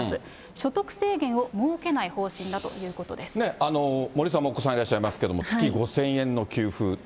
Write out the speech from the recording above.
所得制限を設けない方針だという森さんもお子さんいらっしゃいますけれども、月５０００円の給付。